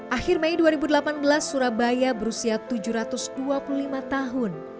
akhir mei dua ribu delapan belas surabaya berusia tujuh ratus dua puluh lima tahun